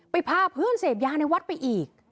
พาเพื่อนเสพยาในวัดไปอีก